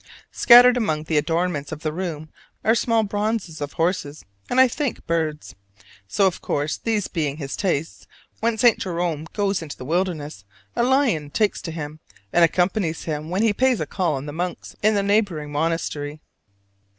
Scattered among the adornments of the room are small bronzes of horses and, I think, birds. So, of course, these being his tastes, when St. Jerome goes into the wilderness, a lion takes to him, and accompanies him when he pays a call on the monks in a neighboring monastery.